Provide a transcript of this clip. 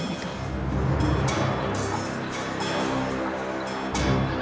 agar tidak ada yang mengecewakanmu